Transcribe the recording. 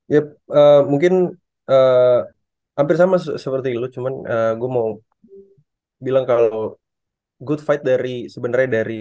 ya mungkin hampir sama seperti lu cuman gue mau bilang kalau good fight dari sebenarnya dari